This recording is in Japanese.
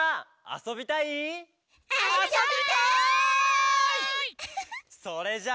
あそびたいっ！」